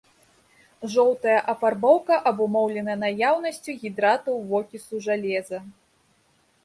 Жоўтая афарбоўка абумоўлена наяўнасцю гідратаў вокісу жалеза.